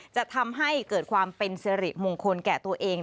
จะทำให้เกิดความเป็นสิริมงคลแก่ตัวเอง